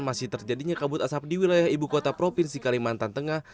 masih terjadinya kabut asap di wilayah ibu kota provinsi kalimantan tengah